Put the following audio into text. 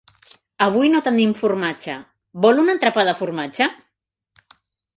Avui no tenim formatge, vol un entrepà de formatge?